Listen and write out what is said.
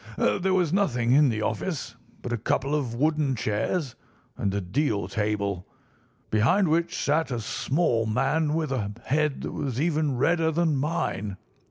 "There was nothing in the office but a couple of wooden chairs and a deal table, behind which sat a small man with a head that was even redder than mine.